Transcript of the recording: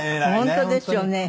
本当ですよね。